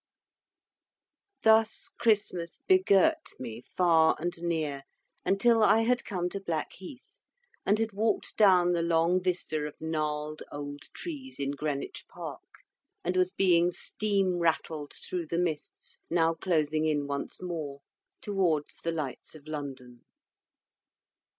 Thus Christmas begirt me, far and near, until I had come to Blackheath, and had walked down the long vista of gnarled old trees in Greenwich Park, and was being steam rattled through the mists now closing in once more, towards the lights of London.